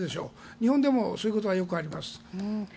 日本でもそういうことはよくあります。